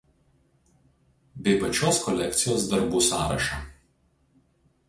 bei pačios kolekcijos darbų sąrašą